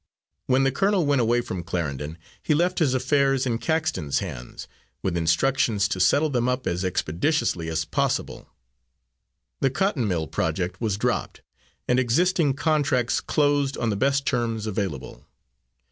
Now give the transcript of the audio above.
When the colonel went away from Clarendon, he left his affairs in Caxton's hands, with instructions to settle them up as expeditiously as possible. The cotton mill project was dropped, and existing contracts closed on the best terms available.